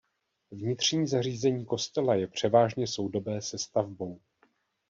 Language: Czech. Vnitřní zařízení kostela je převážně soudobé se stavbou.